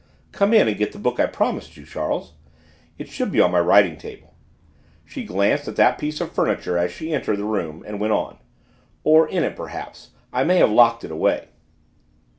"Come in and get the book I promised you, Charles. It should be on my writing table." She glanced at that piece of furniture as she entered the room, and went on, "Or in it, perhaps; I may have locked it away."